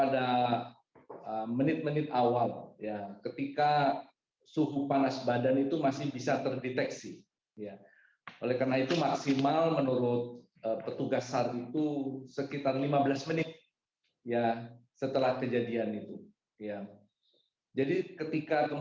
dan kami berkomunikasi sama semua education science